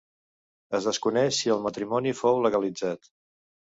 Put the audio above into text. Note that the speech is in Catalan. Es desconeix si el matrimoni fou legalitzat.